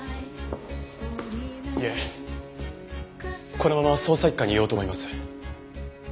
いえこのまま捜査一課にいようと思います。